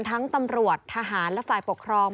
ตำรวจทหารและฝ่ายปกครอง